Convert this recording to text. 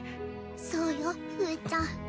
そうよふーちゃん。